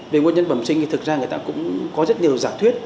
về nguyên nhân bẩm sinh thì thực ra người ta cũng có rất nhiều giả thuyết